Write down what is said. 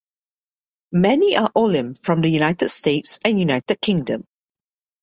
Many are olim from the United States and United Kingdom.